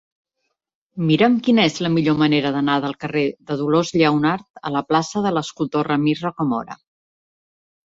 Mira'm quina és la millor manera d'anar del carrer de Dolors Lleonart a la plaça de l'Escultor Ramir Rocamora.